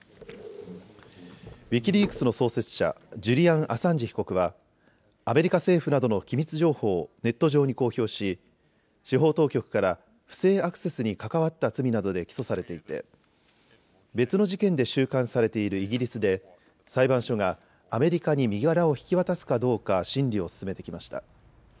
ウィキリークスの創設者、ジュリアン・アサンジ被告はアメリカ政府などの機密情報をネット上に公表し司法当局から不正アクセスに関わった罪などで起訴されていて別の事件で収監されているイギリスで裁判所がアメリカに身柄を引き渡すかどうか審理を進めてきました。